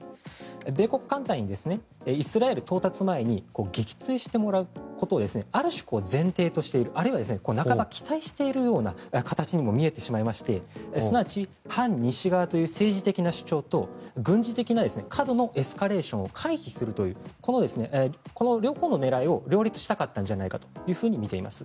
米国艦隊にイスラエル到達前に撃墜してもらうことを半ば期待している形にも見えてしまいましてすなわち反西側という政治的な主張と軍事的な過度のエスカレーションを回避するというこの両方の狙いを両立したかったんじゃないかとみています。